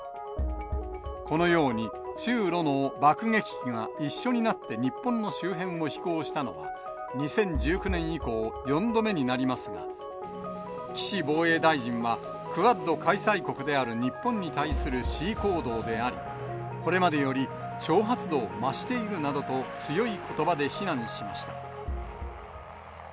このように、中ロの爆撃機が一緒になって日本の周辺を飛行したのは、２０１９年以降、４度目になりますが、岸防衛大臣は、クアッド開催国である日本に対する示威行動であり、これまでより挑発度を増しているなどと、強いことばで非難しました。